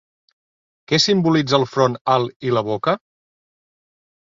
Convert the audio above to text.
Què simbolitza el front alt i la boca?